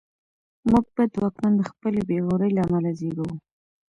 موږ بد واکمن د خپلې بېغورۍ له امله زېږوو.